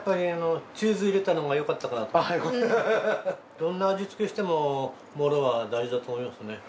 どんな味付けしてもモロは大事だと思いますね。